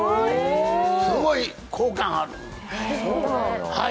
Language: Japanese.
すごい効果がある。